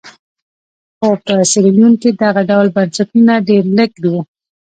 خو په سیریلیون کې دغه ډول بنسټونه ډېر لږ وو.